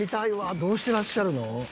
どうしてらっしゃるの？